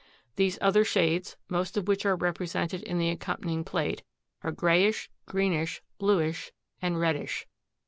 These other shades, most of which are represented in the accompanying plate, are grayish, greenish, bluish and reddish.